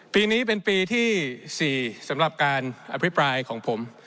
ปีนี้เป็นปีที่๔สำหรับการอภิปรายของผม